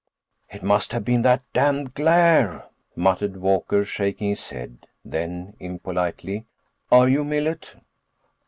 "It must have been that damned glare," muttered Walker, shaking his head. Then, impolitely, "Are you Millet?"